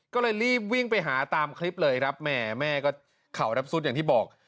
ก็เลยรีบวิ่งไปหาตามคลิปเลยครับแม่แม่ก็เข่ารับซุดอย่างที่บอก